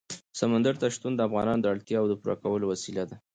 سمندر نه شتون د افغانانو د اړتیاوو د پوره کولو وسیله ده.